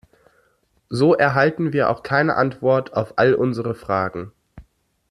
So erhalten wir auch keine Antwort auf all unsere Fragen.